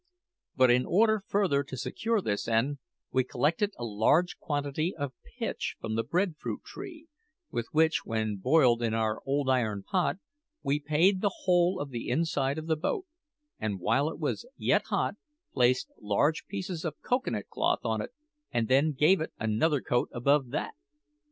But in order further to secure this end, we collected a large quantity of pitch from the bread fruit tree, with which, when boiled in our old iron pot, we paid the whole of the inside of the boat, and while it was yet hot, placed large pieces of cocoa nut cloth on it, and then gave it another coat above that.